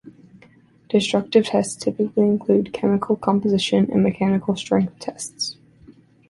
Destructive tests typically include chemical composition and mechanical strength tests.